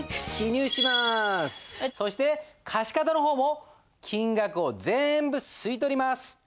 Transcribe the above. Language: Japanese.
そして貸方の方も金額を全部吸い取ります。